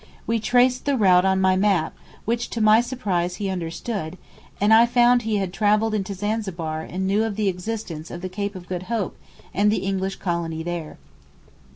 We traced the route on my map which to my surprise he understood, and I found he had travelled into Zanzibar and knew of the existence of the Cape of Good Hope and the English colony there.